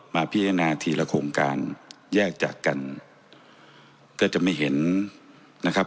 พิจารณาทีละโครงการแยกจากกันก็จะไม่เห็นนะครับ